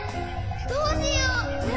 どうしよう。